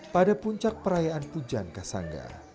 pada puncak perayaan pujan kasangga